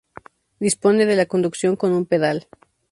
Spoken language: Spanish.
Dispone de la conducción con un pedal.